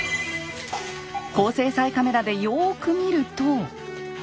高精細カメラでよく見ると。